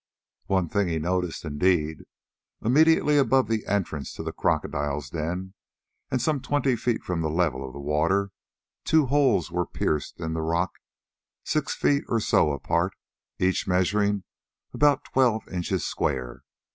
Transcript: One thing he noticed, indeed: immediately above the entrance to the crocodile's den, and some twenty feet from the level of the water, two holes were pierced in the rock, six feet or so apart, each measuring about twelve inches square.